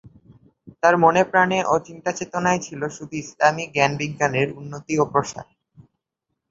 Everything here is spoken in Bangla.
তার মনে প্রাণে ও চিন্তা-চেতনায় ছিল শুধু ইসলামি জ্ঞান-বিজ্ঞানের উন্নতি ও প্রসার।